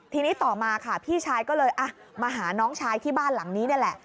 ทีนี้ต่อมาค่ะพี่ชายก็เลยมาหาน้องชายที่บ้านหลังนี้นี่แหละ